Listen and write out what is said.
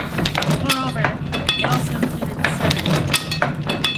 Moreover, it also included cir.